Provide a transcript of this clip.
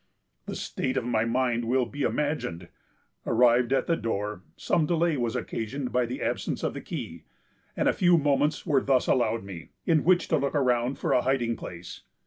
"The state of my mind will be imagined. Arrived at the door, some delay was occasioned by the absence of the key; and a few moments were thus allowed me, in which to look around for a hiding place.